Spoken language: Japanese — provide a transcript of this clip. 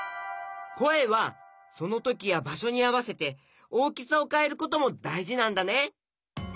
こえはそのときやばしょにあわせておおきさをかえることもだいじなんだね。